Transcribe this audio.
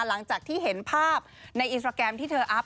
หลังจากที่เห็นภาพในอินสตราแกรมที่เธออัพ